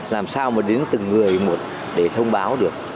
làm sao mà đến từng người một để thông báo được